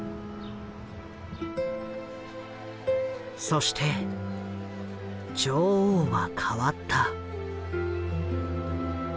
そして女王は変わった。